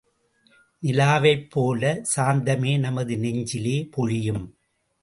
நிலாவைப் போல சாந்தமே நமது நெஞ்சிலே பொழியும்.